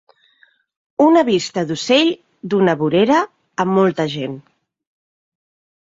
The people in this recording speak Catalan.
Una vista d'ocell d'una vorera amb molta gent.